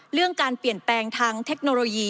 เรื่องการเปลี่ยนแปลงทางเทคโนโลยี